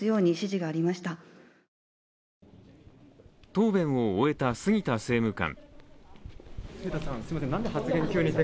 答弁を終えた杉田政務官。